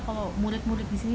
kalau murid murid disini